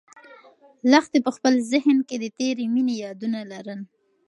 لښتې په خپل ذهن کې د تېرې مېنې یادونه لرل.